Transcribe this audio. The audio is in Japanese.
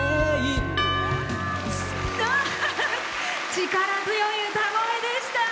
力強い歌声でした。